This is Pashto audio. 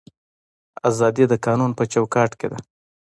ازادي د قانون په چوکاټ کې ده